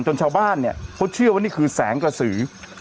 ชาวบ้านเนี่ยเขาเชื่อว่านี่คือแสงกระสือ